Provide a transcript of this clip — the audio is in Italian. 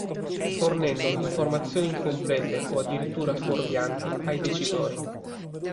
Fornendo informazioni incomplete o addirittura fuorvianti ai decisori.